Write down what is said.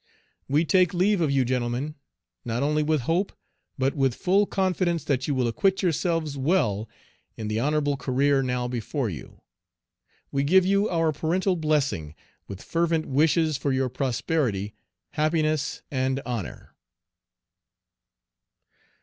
We take leave of you, gentlemen, not only with hope, but with full confidence that you will acquit yourselves well in the honorable career now before you. We give you our parental blessing, with fervent wishes for your prosperity, happiness, and honor.